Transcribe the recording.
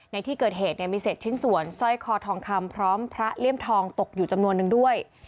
ในที่เกิดเหตุมีเศษชิ้นส่วนสร้อยคอทองคำพร้อมพระเลี่ยมทองตกอยู่จำนวนนึงด้วย